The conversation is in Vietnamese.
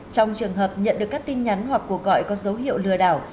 trong trường hợp nhận được các tin nhắn hoặc cuộc gọi có dấu hiệu lừa đảo